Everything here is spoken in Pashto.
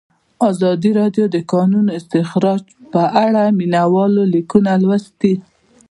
ازادي راډیو د د کانونو استخراج په اړه د مینه والو لیکونه لوستي.